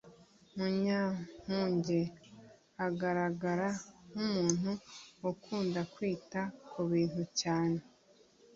munyankuge agaragara nk'umuntu ukunda kwita ku bintu cyane